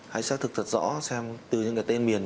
hãy xác thực thật rõ xem từ những cái tên miền